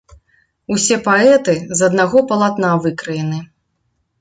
Усе паэты з аднаго палатна выкраены.